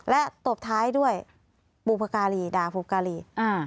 และตบท้ายด้วยบุพการีด่าบุการี